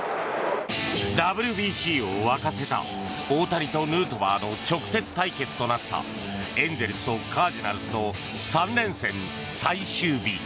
ＷＢＣを沸かせた大谷とヌートバーの直接対決となったエンゼルスとカージナルスの３連戦最終日。